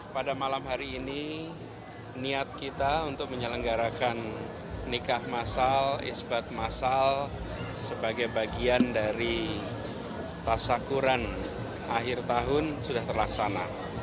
pada malam hari ini niat kita untuk menyelenggarakan nikah masal isbat masal sebagai bagian dari tasakuran akhir tahun sudah terlaksana